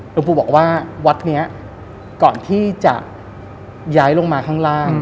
หลวงปู่บอกว่าวัดนี้ก่อนที่จะย้ายลงมาข้างล่าง